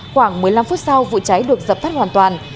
khoảng một mươi năm phút sau vụ cháy được dập tắt hoàn toàn